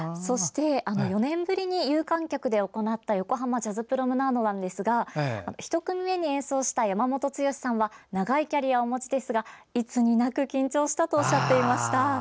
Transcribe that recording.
４年ぶりに有観客で行った横濱ジャズプロムナードですが１組目に演奏した山本剛さんは長いキャリアをお持ちですがいつになく緊張したとおっしゃっていました。